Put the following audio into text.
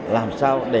làm sao để